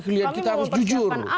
kalau that kita harus jujur